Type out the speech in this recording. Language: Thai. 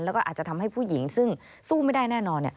แล้วก็อาจจะทำให้ผู้หญิงซึ่งสู้ไม่ได้แน่นอน